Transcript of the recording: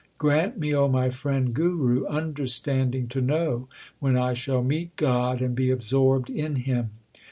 Grant me, O my friend Guru, understanding to know when I shall meet God and be absorbed in Him.